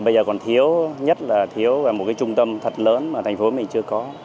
bây giờ còn thiếu nhất là thiếu một trung tâm thật lớn mà thành phố mình chưa có